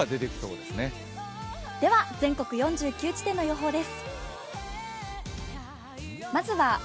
では全国４９地点の予報です。